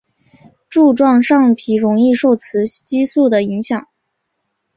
柱状上皮容易受雌激素的影响。